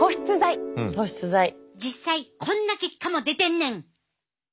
実際こんな結果も出てんねん！